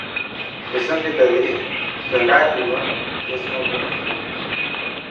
He sentit a dir que Gàtova és molt bonic.